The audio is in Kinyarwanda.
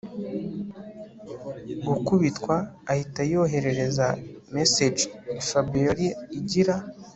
gukubitwa ahita yoherereza message Fabiora igira